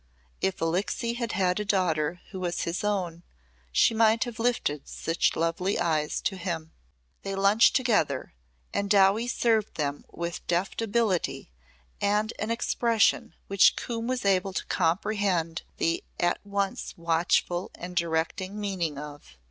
If Alixe had had a daughter who was his own, she might have lifted such lovely eyes to him. They lunched together and Dowie served them with deft ability and an expression which Coombe was able to comprehend the at once watchful and directing meaning of.